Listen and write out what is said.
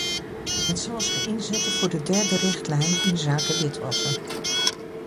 Het zal zich inzetten voor de derde richtlijn inzake witwassen.